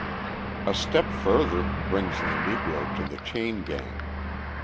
A step further brings the Negro to the chain gang.